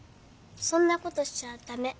そんなことしちゃだめ。